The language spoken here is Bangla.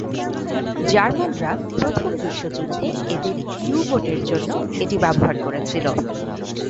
জার্মানরা প্রথম বিশ্বযুদ্ধে তাদের ইউ-বোটের জন্য এটি ব্যবহার করেছিল।